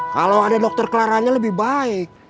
kalau ada dokter claranya lebih baik